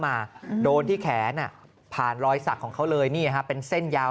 มาโดนที่แขนผ่านรอยสักของเขาเลยนี่ฮะเป็นเส้นยาว